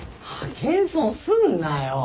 謙遜すんなよ。